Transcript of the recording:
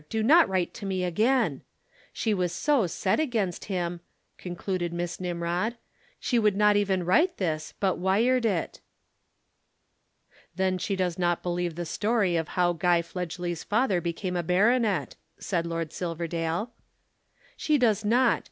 Do not write to me again.' She was so set against him," concluded Miss Nimrod, "she would not even write this but wired it." "Then she does not believe the story of how Guy Fledgely's father became a baronet," said Lord Silverdale. "She does not.